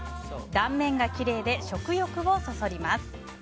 断面がきれいで食欲をそそります。